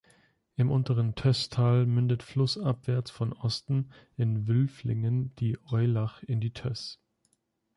Im unteren Tösstal mündet flussabwärts von Osten, in Wülflingen, die Eulach in die Töss.